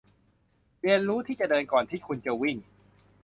เรียนรู้ที่จะเดินก่อนที่คุณจะวิ่ง